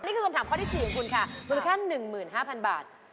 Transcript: นี่คือคำถามข้อที่๔ของคุณค่ะมูลค่า๑๕๐๐๐บาท